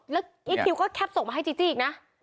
แล้วอีคคิวก็แปปส่งมาให้จีจี้อีกนะ